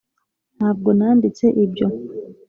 ntabwo nanditse ibyo